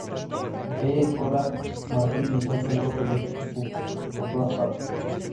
Ella y Konrad Martin encuentran rocas de este tipo por todas partes.